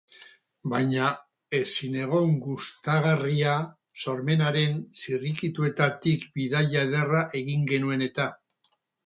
Baina ezinegon gustagarria, sormenaren zirrikituetatik bidaia ederra egin genuen eta.